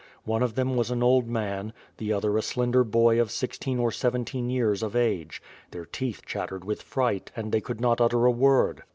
One of them was an old man, the other a slender boy of sixteen or seventeen years of age; their teeth chattered with fright, and they could not utter a word.